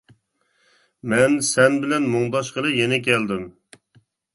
مەن سەن بىلەن مۇڭداشقىلى يەنە كەلدىم.